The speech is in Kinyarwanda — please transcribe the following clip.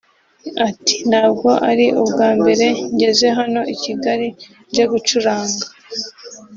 Ati “Ntabwo ari ubwa mbere ngeze hano i Kigali nje gucuranga